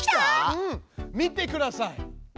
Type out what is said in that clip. うん見てください！